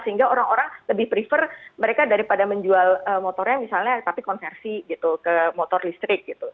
sehingga orang orang lebih prefer mereka daripada menjual motornya misalnya tapi konversi gitu ke motor listrik gitu